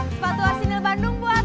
sepatu asinil bandung buatan cibadung